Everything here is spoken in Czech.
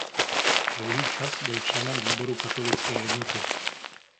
Dlouhý čas byl členem výboru katolické jednoty.